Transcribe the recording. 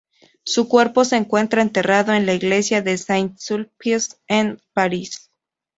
Su cuerpo se encuentra enterrado en la Iglesia de Saint-Sulpice en París.